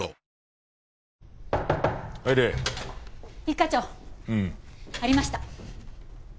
一課長ありました。